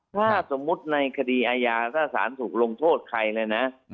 ถ้าสมมุติในคดีอาญาถ้าสารถูกลงโทษใครเลยนะ